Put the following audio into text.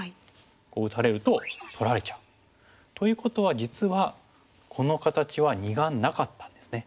こう打たれると取られちゃう。ということは実はこの形は二眼なかったんですね。